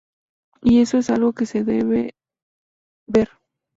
Y eso es algo que se debe ver".